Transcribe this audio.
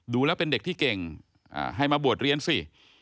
ดูแล้วเป็นเด็กที่เก่งให้มาบวชเรียนสิ